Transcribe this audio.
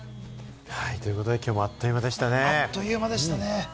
ということで、きょうもあっという間でしたね。